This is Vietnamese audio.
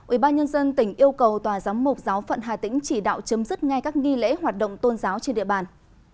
ubnd tỉnh yêu cầu tòa giám mục giáo phận hà tĩnh chỉ đạo chấm dứt ngay các nghi lễ hoạt động tôn giáo trên địa bàn